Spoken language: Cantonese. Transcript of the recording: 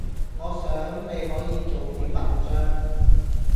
“我想，你可以做點文章……”